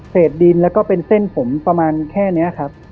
ดินแล้วก็เป็นเส้นผมประมาณแค่นี้ครับ